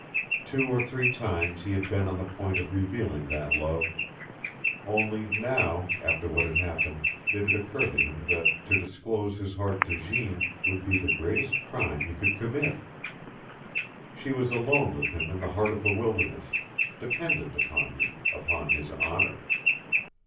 Two or three times he had been on the point of revealing that love. Only now, after what had happened, did it occur to him that to disclose his heart to Jeanne would be the greatest crime he could commit. She was alone with him in the heart of a wilderness, dependent upon him, upon his honor.